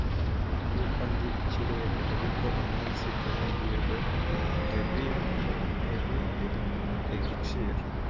yuko ndi ikirere eriko umunsi bw’emehirwe ntebihe egeciro